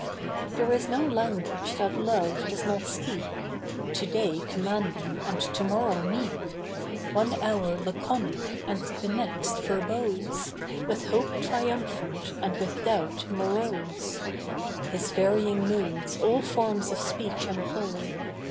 There is no language that Love does not speak: To day commanding and to morrow meek, One hour laconic and the next verbose, With hope triumphant and with doubt morose, His varying moods all forms of speech employ.